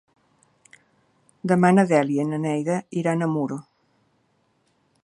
Demà na Dèlia i na Neida iran a Muro.